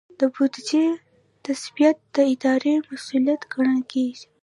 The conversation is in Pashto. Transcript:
د بودیجې تثبیت د ادارې مسؤلیت ګڼل کیږي.